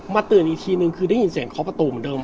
เตือนอีกทีนึงคือได้ยินเสียงเคาะประตูเหมือนเดิม